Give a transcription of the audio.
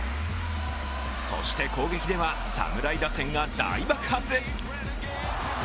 そして攻撃では侍打線が大爆発。